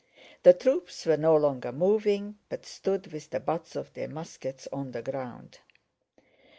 The troops were no longer moving, but stood with the butts of their muskets on the ground.